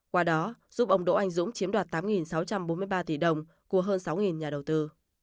qua đó giúp ông đỗ anh dũng chiếm đoạt tám sáu trăm bốn mươi ba tỷ đồng của hơn sáu nhà đầu tư